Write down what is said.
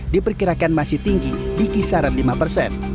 diperkirakan masih tinggi di kisaran lima persen